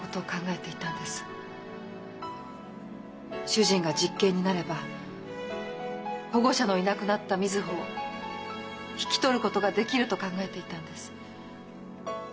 主人が実刑になれば保護者のいなくなった瑞穂を引き取ることができると考えていたんです。